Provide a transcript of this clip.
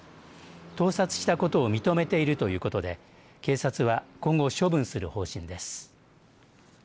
盗撮したことを認めているということで警察は今後処分する方針です。